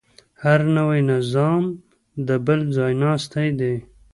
هر نوی نظام د بل ځایناستی دی.